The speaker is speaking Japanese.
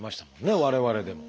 我々でも。